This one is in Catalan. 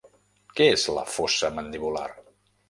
Què és la fossa mandibular?